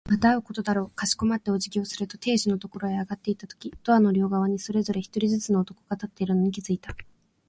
また会うことだろう。かしこまってお辞儀をする亭主のところへ上がっていったとき、ドアの両側にそれぞれ一人ずつの男が立っているのに気づいた。